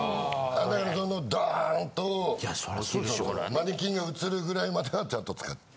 ドーンとマネキンが映るぐらいまではちゃんと使う。